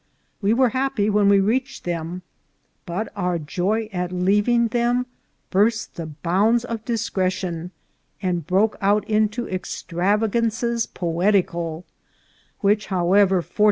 We were happy when we reached them, but our joy at leaving them burst the bounds of discretion, and broke out into extravagances poetical, which, however, fortu AN ACCIDENT ON THE ROAD.